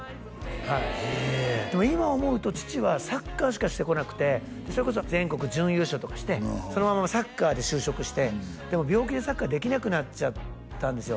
はいええでも今思うと父はサッカーしかしてこなくてそれこそ全国準優勝とかしてそのままサッカーで就職してでも病気でサッカーできなくなっちゃったんですよ